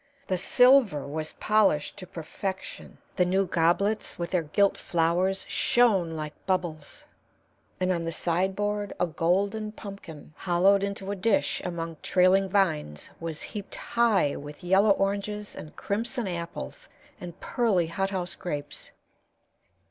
The silver was polished to perfection. The new goblets with their gilt flowers shone like bubbles, and on the sideboard a golden pumpkin hollowed into a dish among trailing vines was heaped high with yellow oranges and crimson apples and pearly hothouse grapes.